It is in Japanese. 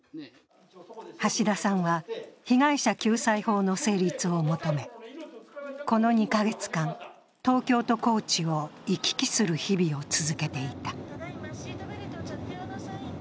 橋田さんは被害者救済法の成立を求め、この２か月間、東京と高知を行き来する日々を続けていた。